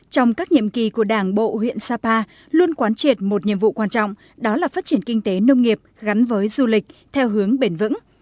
trong các nhiệm kỳ của đảng bộ huyện sapa luôn quán triệt một nhiệm vụ quan trọng đó là phát triển kinh tế nông nghiệp gắn với du lịch theo hướng bền vững